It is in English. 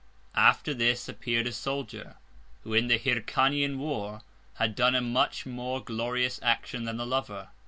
After this appear'd a Soldier, who, in the Hyrcanian War, had done a much more glorious Action than the Lover.